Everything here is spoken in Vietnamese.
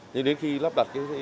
nhưng đến khi lắp đặt